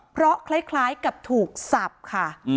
เพราะคล้ายกับถูกสับค่ะ